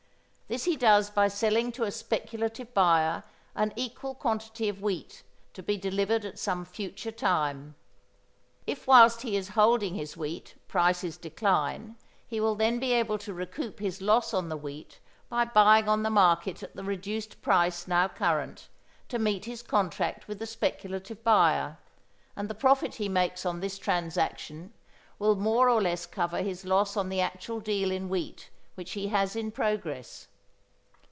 This he does by selling to a speculative buyer an equal quantity of wheat to be delivered at some future time. If whilst he is holding his wheat prices decline, he will then be able to recoup his loss on the wheat by buying on the market at the reduced price now current to meet his contract with the speculative buyer, and the profit he makes on this transaction will more or less cover his loss on the actual deal in wheat which he has in progress.